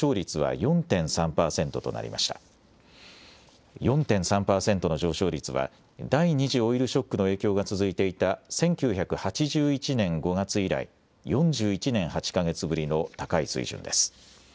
４．３％の上昇率は、第２次オイルショックの影響が続いていた１９８１年５月以来、４１年８か月ぶりの高い水準です。